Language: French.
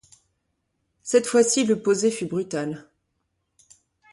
Cette fois-ci le posé fut brutal.